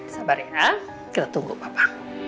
sabar ya kita tunggu papa